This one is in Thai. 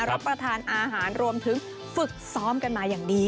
รับประทานอาหารรวมถึงฝึกซ้อมกันมาอย่างดี